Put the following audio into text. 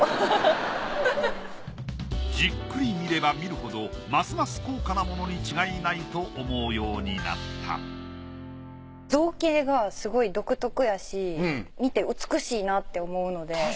じっくり見れば見るほどますます高価なものに違いないと思うようになった造形がすごい独特やし見て美しいなって思うので。